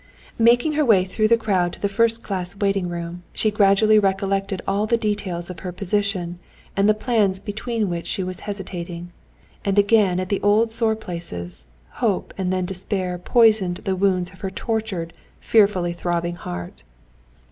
Making her way through the crowd to the first class waiting room, she gradually recollected all the details of her position, and the plans between which she was hesitating. And again at the old sore places, hope and then despair poisoned the wounds of her tortured, fearfully throbbing heart.